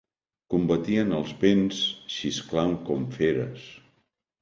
Combatien els vents xisclant com feres.